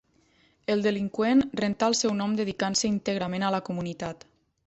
El delinqüent rentà el seu nom dedicant-se íntegrament a la comunitat.